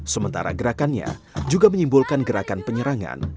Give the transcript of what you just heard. sementara gerakannya juga menyimpulkan gerakan penyerangan